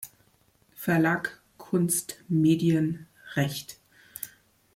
Verlag Kunst Medien Recht.